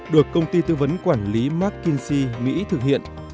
được công ty tư vấn quản lý mckinsey mỹ thực hiện